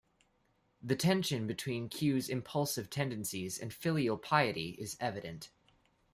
The tension between Kieu's impulsive tendencies and filial piety is evident.